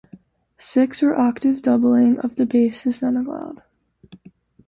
Sixth or octave doubling of the bass is not allowed.